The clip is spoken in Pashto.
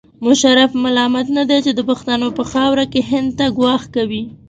مشرف ملامت نه دی چې د پښتنو په خاوره کې هند ته ګواښ کوي.